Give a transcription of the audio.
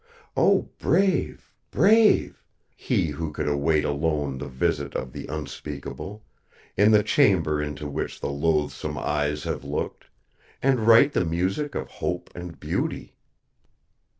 Oh, brave, brave! he who could await alone the visit of the Unspeakable, in the chamber into which the Loathsome Eyes have looked, and write the music of hope and beauty!"